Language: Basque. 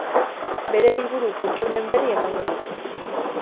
Bere liburu kuttunen berri emango digu.